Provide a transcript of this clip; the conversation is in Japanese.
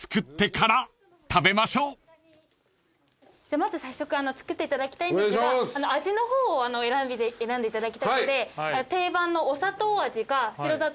まず早速作っていただきたいんですが味の方を選んでいただきたいので定番の。